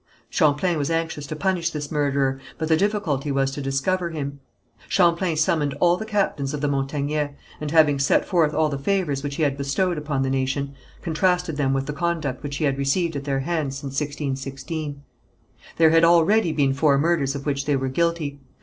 Champlain was anxious to punish this murderer, but the difficulty was to discover him. Champlain summoned all the captains of the Montagnais, and having set forth all the favours which he had bestowed upon the nation, contrasted them with the conduct which he had received at their hands since 1616. There had already been four murders of which they were guilty.